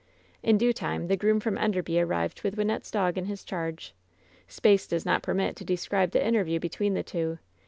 In due time the groom from Enderby arrived with Wynnette's dog in his charge. Space does not permit to describe the interview between the two.